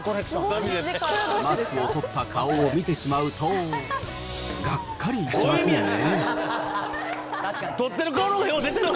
マスクを取った顔を見てしまうと、がっかりしますもんね。